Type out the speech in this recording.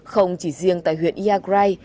không chỉ riêng tại huyện yagray